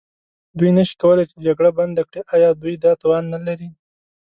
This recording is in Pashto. دوی نه شي کولای چې جګړه بنده کړي، ایا دوی دا توان نه لري؟